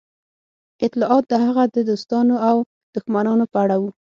اطلاعات د هغه د دوستانو او دښمنانو په اړه وو